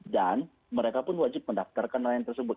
dan mereka pun wajib mendaftarkan nelayan tersebut